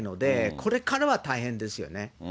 これからは大変ですよね。